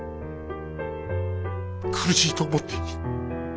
苦しいと思っていい。